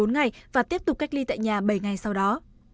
một mươi bốn ngày và tiếp tục cách ly tại nhà bảy ngày sau đó